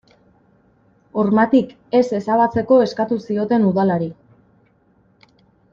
Hormatik ez ezabatzeko eskatu zioten udalari.